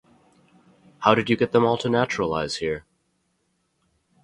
How did you get them all to naturalize here?